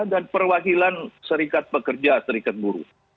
dan perwakilan serikat pekerja serikat guru